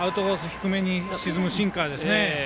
低めに沈むシンカーですね。